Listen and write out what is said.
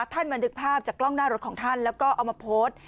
บันทึกภาพจากกล้องหน้ารถของท่านแล้วก็เอามาโพสต์